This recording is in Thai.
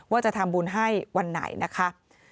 ว่าจะทำบุญให้วันไหนนะคะ